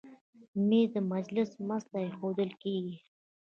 مېز د مجلس منځ ته ایښودل کېږي.